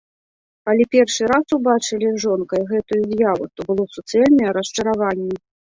Калі першы раз убачылі з жонкай гэтую з'яву, то было суцэльнае расчараванне.